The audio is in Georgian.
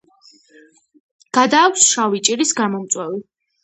გადააქვს შავი ჭირის გამომწვევი.